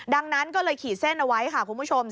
ดังนั้นก็เลยขีดเส้นเอาไว้ค่ะคุณผู้ชม